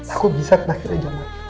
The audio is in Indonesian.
aku bisa kena kirinya jaman ini